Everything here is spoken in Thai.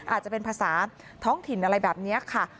อาจจะเป็นภาษาท้องถิ่นอะไรแบบนี้ค่ะ